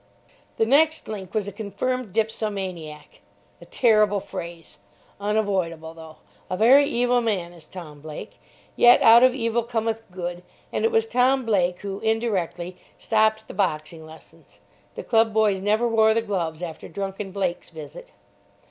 The next link was a confirmed dipsomaniac. A terrible phrase. Unavoidable, though. A very evil man is Tom Blake. Yet out of evil cometh good, and it was Tom Blake, who, indirectly, stopped the boxing lessons. The club boys never wore the gloves after drunken Blake's visit.